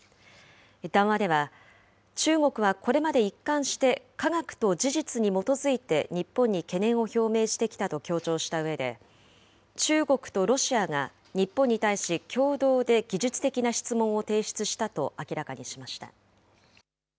談話では、中国はこれまで一貫して科学と事実に基づいて日本に懸念を表明してきたと強調したうえで、中国とロシアが、日本に対し、共同で技術的な質問を提出したと明らかにしました。